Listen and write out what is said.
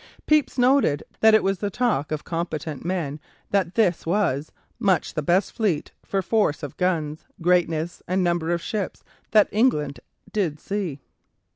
Pepys noted that it was the talk of competent men that this was "much the best fleet, for force of guns, greatness and number of ships, that ever England did see."